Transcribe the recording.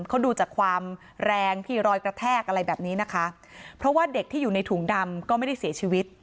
เขาดูจากความแรงที่รอยกระแทกอะไรแบบนี้นะคะเพราะว่าเด็กที่อยู่ในถุงดำก็ไม่ได้เสียชีวิต